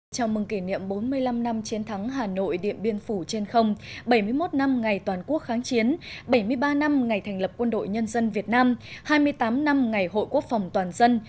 chào mừng kỷ niệm bốn mươi năm năm chiến thắng hà nội điện biên phủ trên không bảy mươi một năm ngày toàn quốc kháng chiến bảy mươi ba năm ngày thành lập quân đội nhân dân việt nam hai mươi tám năm ngày hội quốc phòng toàn dân